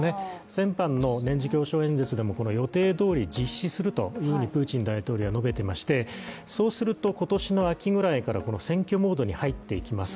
先般の年次教書演説でも予定どおり実施するというふうにプーチン大統領は述べてましてそうすると、今年の秋ぐらいから選挙モードに入っていきます。